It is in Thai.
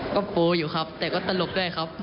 ก็โพลอยู่ครับแต่ก็ตลกด้วยครับ